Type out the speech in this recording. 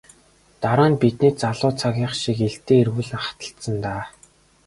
Дараа нь бидний залуу цагийнх шиг илдээ эргүүлэн хатгалцсан даа.